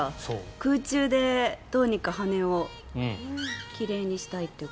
空中でどうにか羽を奇麗にしたいと。